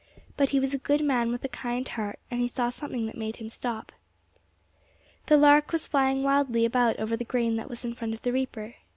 But he was a good man with a kind heart, and he saw something that made him stop. The lark was flying wildly about over the grain that was in front of the reaper.